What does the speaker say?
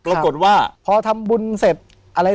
ผมก็ไม่เคยเห็นว่าคุณจะมาทำอะไรให้คุณหรือเปล่า